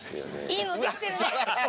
いいのできてるね。